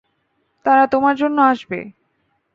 তারা তোমার জন্য আসবে!